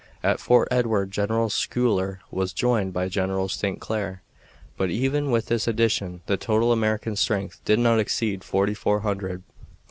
At Fort Edward General Schuyler was joined by General St. Clair, but even with this addition the total American strength did not exceed forty four hundred.